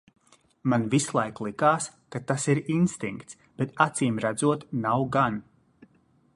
Man vislaik likās, ka tas ir instinkts, bet acīmredzot nav gan.